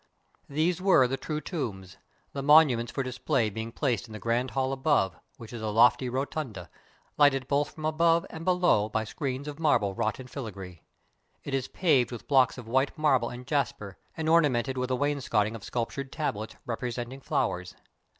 These were the true tombs, the monuments for dis play being placed in the grand hall above, which is a lofty rotunda, lighted both from above and below by screens of marble wrought in filigree. It is paved with blocks of white marble and jasper, and ornamented with a wainscoting of sculptured tablets, representing flowers.